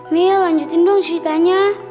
mil lanjutin dong ceritanya